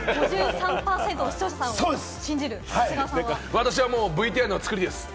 私はＶＴＲの作りです。